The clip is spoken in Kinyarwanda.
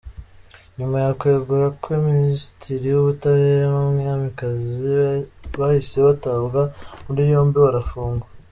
Nyuma yukwegura kwe, minisitiri wubutabera numwamikazi bahise batabwa muri yombi barafungwa.